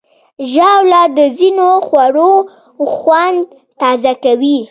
ژاوله د ځینو خوړو خوند تازه کوي.